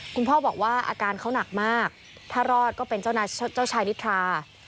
คุณพ่อบอกว่าอาการเขาหนักมากถ้ารอดก็เป็นเจ้าชายนิทรา